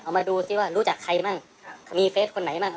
มาดูสิว่ารู้จักใครบ้างมีเฟสคนไหนบ้าง